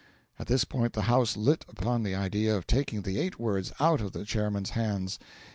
At this point the house lit upon the idea of taking the eight words out of the Chairman's hands.